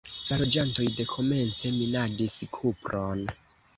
La loĝantoj dekomence minadis kupron.